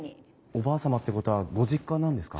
おばあ様ってことはご実家なんですか？